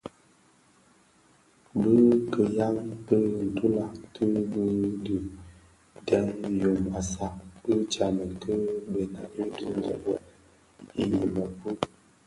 Bi kiyaň ki ntulag ti bi dhi dhen yom a saad bi tsamèn ki bena yi diňzi wuèl i mëpud.